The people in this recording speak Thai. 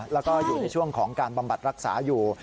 แล้วก็อยู่ในช่วงของการบำบัดรักษาอยู่